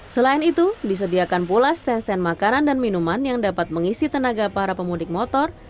selain itu disediakan pula stand stand makanan dan minuman yang dapat mengisi tenaga para pemudik motor